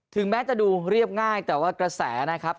ถึงแม้จะดูเรียบง่ายแต่ว่ากระแสนะครับ